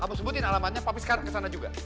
kamu sebutin alamatnya papi sekarang kesana juga